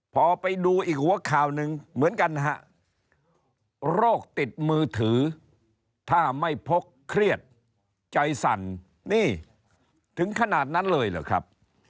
พอไปดูอีกหัวข่าวหนึ่งเหมือนกันนะฮะโรคติดมือถือถ้าไม่พกเครียดใจสั่นนี่ถึงขนาดนั้นเลยเหรอครับ